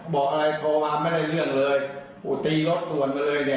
บอกอะไรโทรมาไม่ได้เรื่องเลยกูตีรถด่วนมาเลยเนี่ย